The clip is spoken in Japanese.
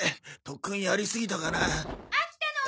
特訓やりすぎたかな。